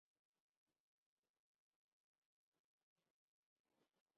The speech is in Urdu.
سلیمان ندوی آخر نورجہاں پر کیا اور کیوں لکھیں گے؟